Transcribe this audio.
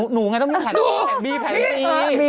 หนูไงต้องมีแผ่นนี้